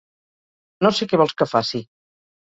No sé què vols que faci.